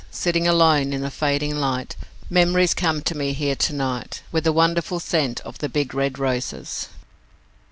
Sitting alone in the fading light Memories come to me here to night With the wonderful scent of the big red roses.